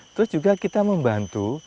terus juga kita membantu